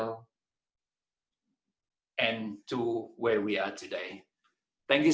dan ke tempat kita berada hari ini